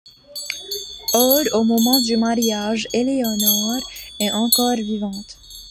Or, au moment du mariage, Éléonore est encore vivante.